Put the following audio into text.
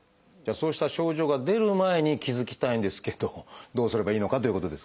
そうした症状が出る前に気付きたいんですけどどうすればいいのかということですが。